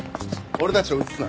俺たちを映すな」